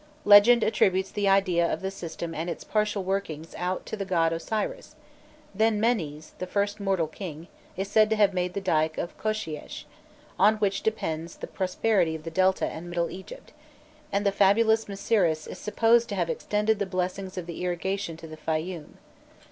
Legend attributes the idea of the system and its partial working out to the god Osiris: then Menés, the first mortal king, is said to have made the dyke of Qosheish, on which depends the prosperity of the Delta and Middle Egypt, and the fabulous Mceris is supposed to have extended the blessings of the irrigation to the Fayûm.